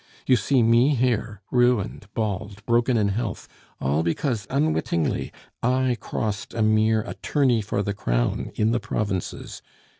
You see me here, ruined, bald, broken in health all because, unwittingly, I crossed a mere attorney for the crown in the provinces.